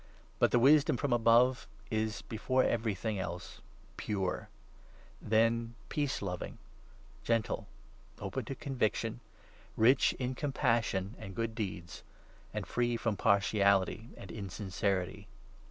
But the wisdom from above is, before every thing 17 else, pure ; then peace loving, gentle, open to conviction, rich in compassion and good deeds, and free from partiality and insincerity.